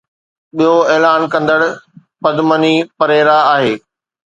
ٻيو اعلان ڪندڙ پدمني پريرا آهي.